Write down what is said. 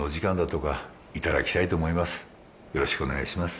よろしくお願いします。